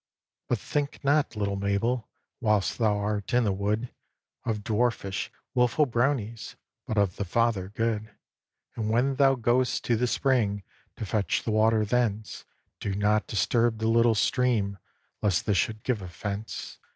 "But think not, little Mabel, Whilst thou art in the wood, Of dwarfish, wilful Brownies, But of the Father good. "And when thou goest to the spring, To fetch the water thence, Do not disturb the little stream, Lest this should give offence.